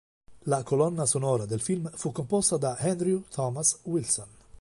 La colonna sonora del film fu composta da Andrew Thomas Wilson.